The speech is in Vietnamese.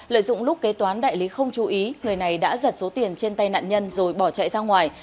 lợi dụng lúc kế toán đại lý không chú ý người này đã giật số tiền trên tay nạn nhân rồi bỏ chạy ra ngoài